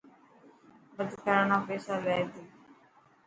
ڀرت ڪرڻ را پيسالي تي.